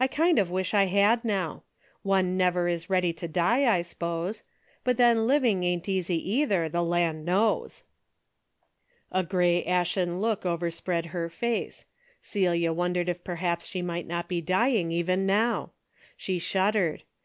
I kind of wish I had now. One never is ready to die, I s'pose. But then living isn't easy either, the land knows." A grey ashen look overspread her face. Celia wondered if perhaps she might not be dying even now. She shuddered.